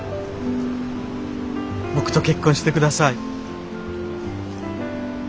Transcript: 僕と結婚してください。